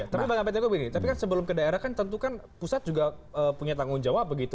tapi bang abed eko begini tapi kan sebelum ke daerah kan tentu kan pusat juga punya tanggung jawab begitu